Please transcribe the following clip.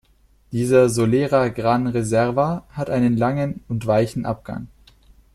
Dieser Solera-Gran Reserva hat einen langen und weichen Abgang.